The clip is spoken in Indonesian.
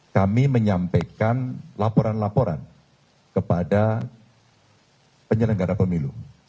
kami menyampaikan laporan laporan kepada penyelenggara pemilu